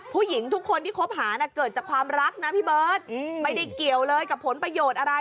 ผู้หญิงทุกคนที่คบหาเกิดจากความรักนะพี่เบิร์ตไม่ได้เกี่ยวเลยกับผลประโยชน์อะไร